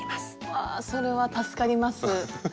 わあそれは助かります。